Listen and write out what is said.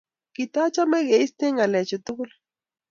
Kotochome keiste ngalechu tugul